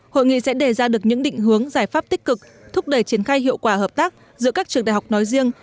hội nghị sẽ đề ra được những định hướng giải pháp tích cực thúc đẩy triển khai hiệu quả hợp tác giữa các trường đại học nói riêng